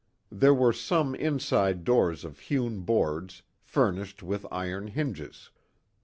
There were some inside doors of hewn boards, furnished with iron hinges.